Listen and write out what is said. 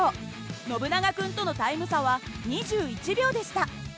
ノブナガ君とのタイム差は２１秒でした。